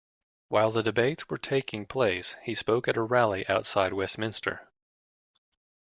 While the debates were taking place he spoke at a rally outside Westminster.